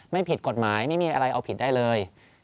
ไม่ผิดกฎหมายไม่มีอะไรเอาผิดได้เลย